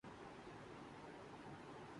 ورنہ ہمارا کام تو آپ کا حکم سننا اور بجا لانا ہے۔